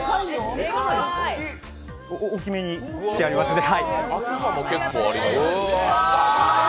大きめに切ってありますので。